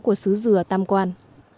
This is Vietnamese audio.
của xứ dừa tam quan